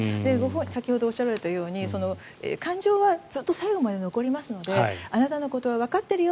先ほどおっしゃられたように感情はずっと最後まで残りますのであなたのことはわかっているよ